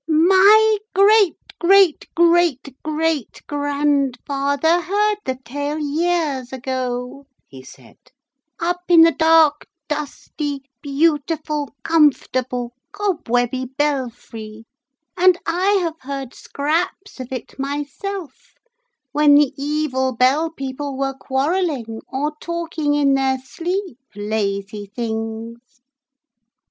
'My great great great great grandfather heard the tale years ago,' he said, 'up in the dark, dusty, beautiful, comfortable, cobwebby belfry, and I have heard scraps of it myself when the evil Bell people were quarrelling, or talking in their sleep, lazy things!'